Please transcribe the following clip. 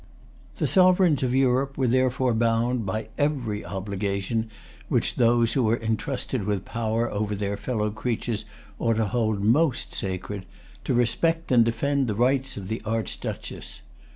The sovereigns of Europe were therefore bound, by every obligation which those who are entrusted with power over their fellow creatures ought to hold most sacred, to respect and defend the rights of the Archduchess.